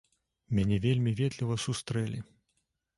Мяне вельмі ветліва сустрэлі.